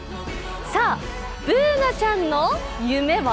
さあ、Ｂｏｏｎａちゃんの夢は？